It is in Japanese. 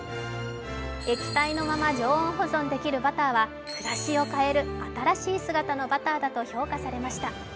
液体のまま常温保存できるバターは暮らしを変える新しい姿のバターだと評価されました。